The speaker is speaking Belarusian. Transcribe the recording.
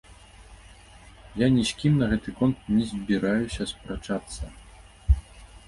Я ні з кім на гэты конт не збіраюся спрачацца.